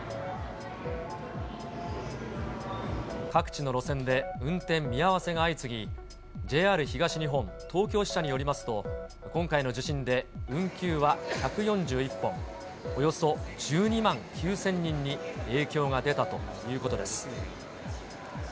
各地の路線で運転見合わせが相次ぎ、ＪＲ東日本東京支社によりますと、今回の地震で運休は１４１本、およそ１２万９０００人に影響が出たということです。